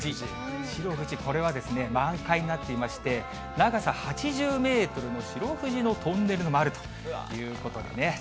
白い藤、これはですね、満開になっていまして、長さ８０メートルの白藤のトンネルもあるということでね。